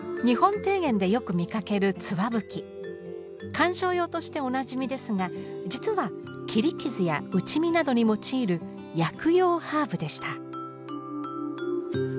観賞用としておなじみですが実は切り傷や打ち身などに用いる薬用ハーブでした。